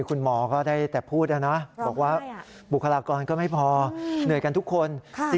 คุณหมอก็ได้แต่พูดนะบอกว่าบุคลากรก็ไม่พอเหนื่อยกันทุกคน